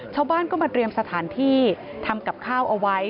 ชาวบ้านก็มาเตรียมสถานที่ทำกับข้าวเอาไว้